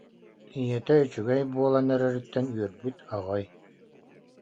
Ийэтэ үчүгэй буолан эрэриттэн үөрбүт аҕай